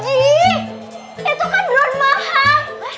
itu kan drone mahal